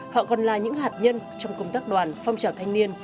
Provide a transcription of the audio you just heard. họ còn là những hạt nhân trong công tác đoàn phong trào thanh niên